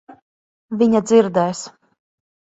Viņa dzirdēs.